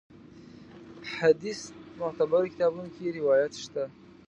حدیث معتبرو کتابونو کې روایت شته.